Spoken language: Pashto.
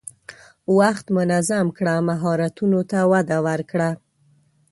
وخت منظم کړه، مهارتونو ته وده ورکړه.